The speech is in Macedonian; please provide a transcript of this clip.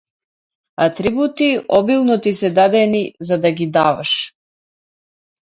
Атрибути обилно ти се дадени за да ги даваш!